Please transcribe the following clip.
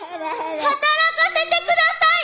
働かせて下さい！